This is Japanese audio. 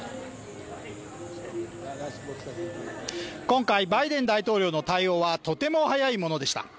今回、バイデン大統領の対応はとても早いものでした。